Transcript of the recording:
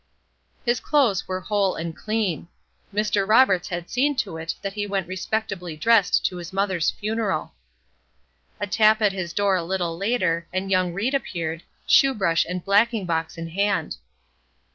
His clothes were whole and clean. Mr. Roberts had seen to it that he went respectably dressed to his mother's funeral. A tap at his door a little later, and young Ried appeared, shoe brush and blacking box in hand.